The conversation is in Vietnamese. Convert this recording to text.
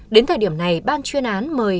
đến thời điểm này ban chuyên án mời